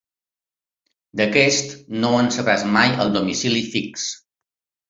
D'aquest no en sabràs mai el domicili fix.